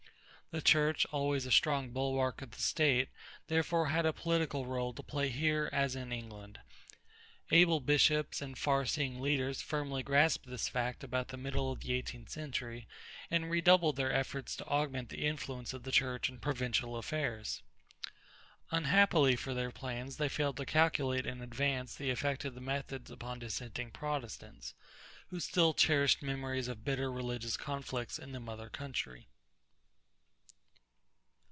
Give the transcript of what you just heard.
The Church, always a strong bulwark of the state, therefore had a political rôle to play here as in England. Able bishops and far seeing leaders firmly grasped this fact about the middle of the eighteenth century and redoubled their efforts to augment the influence of the Church in provincial affairs. Unhappily for their plans they failed to calculate in advance the effect of their methods upon dissenting Protestants, who still cherished memories of bitter religious conflicts in the mother country.